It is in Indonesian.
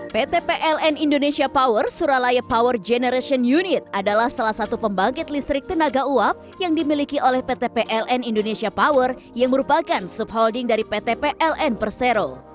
pt pln indonesia power suralaya power generation unit adalah salah satu pembangkit listrik tenaga uap yang dimiliki oleh pt pln indonesia power yang merupakan subholding dari pt pln persero